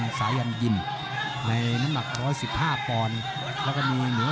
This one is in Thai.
วิทยาสักหน่อยแล้วก็ปีท้ายสัปดาห์หน้า